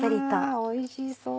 わおいしそう。